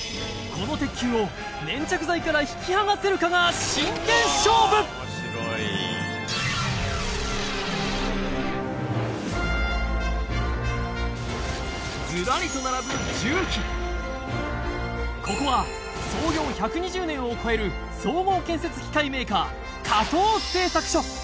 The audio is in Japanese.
この鉄球を粘着剤から引き剥がせるかがずらりと並ぶここは創業１２０年を超える総合建設機械メーカー